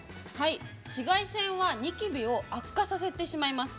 紫外線はニキビを悪化させてしまいます。